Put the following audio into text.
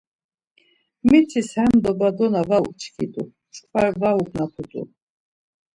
Mitis hem dobadona var uçkit̆u çkva var ugnaput̆u.